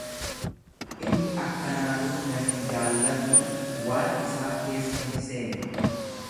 Inni akkanaanuu nan jaallatuu waan isaa keessa hin seenu.